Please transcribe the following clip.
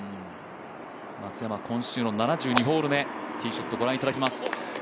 松山、今週の７２ホール目、ティーショット御覧いただきます。